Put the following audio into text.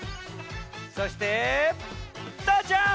そしてたーちゃん！